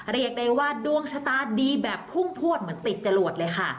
เรียกได้ว่าดวงชะตาดีแบบพุ่งพวดเหมือนติดจรวดเลยค่ะ